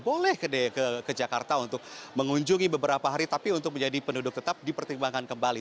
boleh ke jakarta untuk mengunjungi beberapa hari tapi untuk menjadi penduduk tetap dipertimbangkan kembali